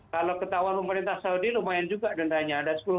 kalau ketahuan pemerintah saudi lumayan juga dendanya ada sepuluh ribu